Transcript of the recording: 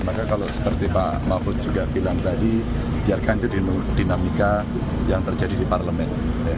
maka kalau seperti pak mahfud juga bilang tadi biarkan itu dinamika yang terjadi di parlemen